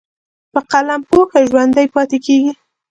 په قلم پوهه ژوندی پاتې کېږي.